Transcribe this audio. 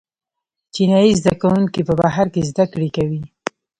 چینايي زده کوونکي په بهر کې زده کړې کوي.